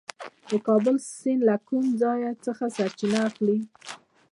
د کابل سیند له کوم ځای څخه سرچینه اخلي؟